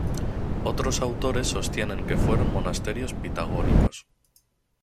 Otros autores sostienen que fueron monasterios pitagóricos.